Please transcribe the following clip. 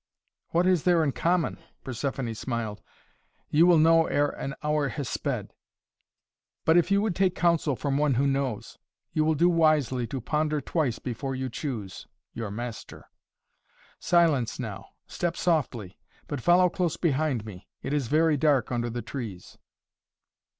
"What is there in common?" Persephoné smiled. "You will know ere an hour has sped. But, if you would take counsel from one who knows, you will do wisely to ponder twice before you choose your master. Silence now! Step softly, but follow close behind me! It is very dark under the trees."